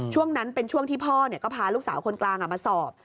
ช่วงนั้นเป็นช่วงที่พ่อก็พาลูกสาวคนกลางมาสอบ